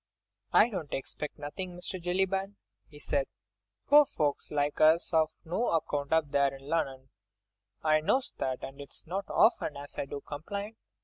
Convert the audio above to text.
"I don't 'xpect nothing, Mr. Jellyband," he said. "Pore folks like us is of no account up there in Lunnon, I knows that, and it's not often as I do complain.